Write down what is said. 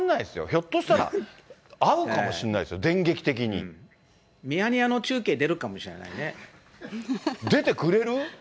ひょっとしたら、合うかもしれないですよ、ミヤネ屋の中継、出るかもし出てくれる？